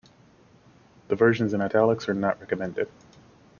The versions in italics are not recommended.